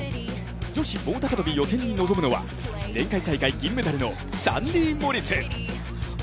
女子棒高跳予選に臨むのは、前回大会銀メダルのサンディ・モリス。